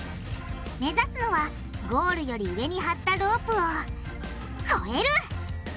目指すのはゴールより上に張ったロープを越える！